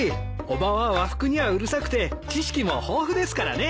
伯母は和服にはうるさくて知識も豊富ですからね。